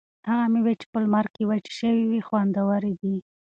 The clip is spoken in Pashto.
هغه مېوې چې په لمر کې وچې شوي وي خوندورې دي.